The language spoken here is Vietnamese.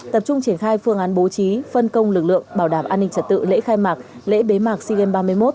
tập trung triển khai phương án bố trí phân công lực lượng bảo đảm an ninh trật tự lễ khai mạc lễ bế mạc sea games ba mươi một